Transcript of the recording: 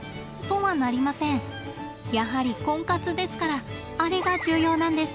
やはりコンカツですからあれが重要なんです。